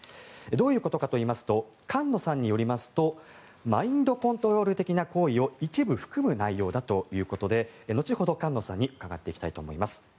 どういうことかといいますと菅野さんによりますとマインドコントロール的な行為を一部、含む内容だということで後ほど菅野さんに伺っていきたいと思います。